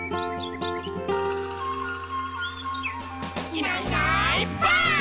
「いないいないばあっ！」